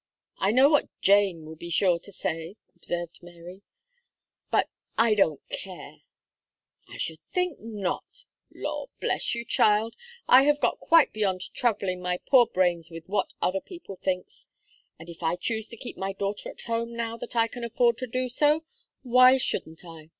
"I know what Jane will be sure to say," observed Mary; "but I don't care." "I should think not! Law! bless you, child, I have got quite beyond troubling my poor brains with what other people thinks; and if I choose to keep my daughter at home now that I can afford to do so, why shouldn't I?